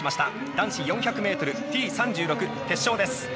男子４００ｍ、Ｔ３６決勝です。